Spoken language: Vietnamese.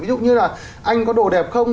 ví dụ như là anh có đồ đẹp không